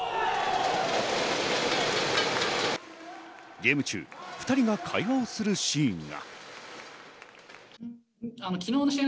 ゲーム中、２人が会話をするシーンが。